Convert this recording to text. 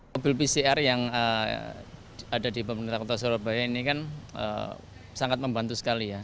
mobil pcr yang ada di pemerintah kota surabaya ini kan sangat membantu sekali ya